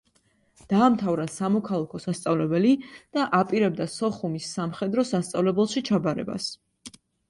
დაამთავრა სამოქალაქო სასწავლებელი და აპირებდა სოხუმის სამხედრო სასწავლებელში ჩაბარებას.